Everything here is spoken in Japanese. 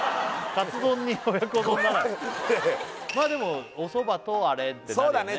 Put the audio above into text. まあでもおそばとあれってなるよね